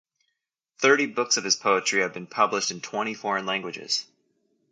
Thirty books of his poetry have been published in twenty foreign languages.